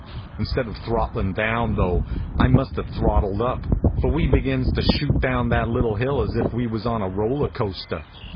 Instead of throttlin down, though, I must have throttled up; for we begins to shoot down that little hill as if we was on a roller coaster.